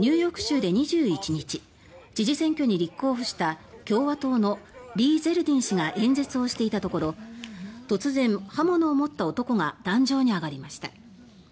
ニューヨーク州で２１日知事選挙に立候補した共和党のリー・ゼルディン氏が演説をしていたところ突然、刃物を持った男が壇上に上がりました。